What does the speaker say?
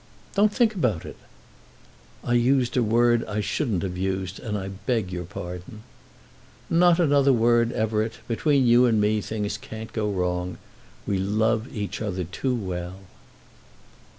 "Don't think about it." "I used a word I shouldn't have used, and I beg your pardon." "Not another word, Everett. Between you and me things can't go wrong. We love each other too well."